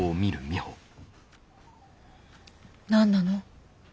何なの？